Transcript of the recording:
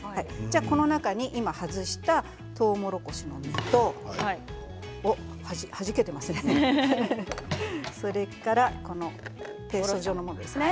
この中に今、外したとうもろこしの実とそれからこのペースト状のものですね。